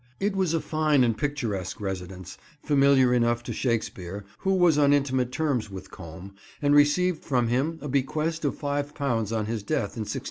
It was a fine and picturesque residence, familiar enough to Shakespeare, who was on intimate terms with Combe, and received from him a bequest of £5 on his death in 1614.